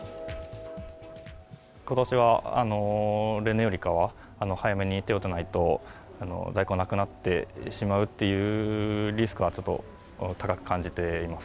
ことしは例年よりかは早めに手を打たないと、在庫がなくなってしまうというリスクはちょっと高く感じています。